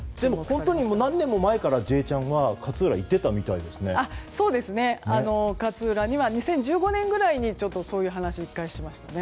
本当に何年も前から「Ｊチャン」は勝浦には２０１５年ぐらいに１回そういう話をしましたね。